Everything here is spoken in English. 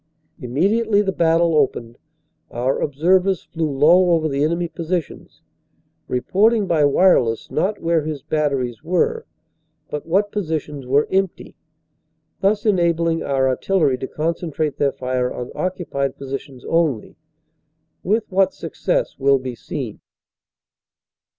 Immediately the battle opened our observers flew low over the enemy positions, re porting by wireless not where his batteries were, but what posi tions were empty, thus enabling our artillery to concentrate their fire on occupied positions only, with what success will be seen.